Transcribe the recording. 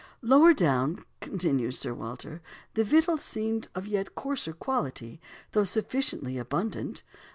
"Lower down," continues Sir Walter, "the victuals seemed of yet coarser quality, though sufficiently abundant.